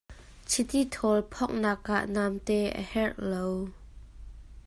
Chiti thawl phonghnak ah namte a herh lo.